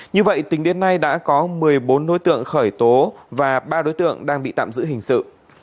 như vậy tính đến nay đã có một mươi bốn đối tượng khởi tố và ba đối tượng đang bị tạm giữ hình sự